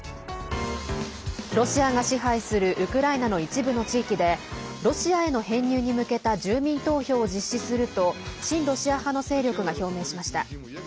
ロシアが支配するウクライナの一部の地域でロシアへの編入に向けた住民投票を実施すると親ロシア派の勢力が表明しました。